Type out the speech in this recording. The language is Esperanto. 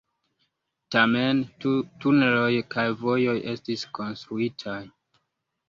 Tamen, tuneloj kaj vojoj estis konstruitaj.